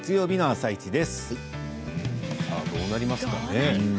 さあ、どうなりますかね。